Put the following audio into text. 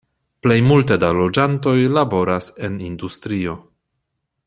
Plej multe da loĝantoj laboras en industrio.